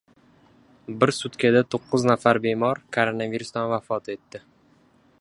Bir sutkada to‘qqiz nafar bemor koronavirusdan vafot etdi